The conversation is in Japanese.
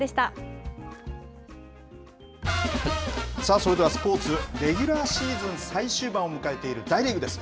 それではスポーツ、レギュラーシーズン最終盤を迎えている大リーグです。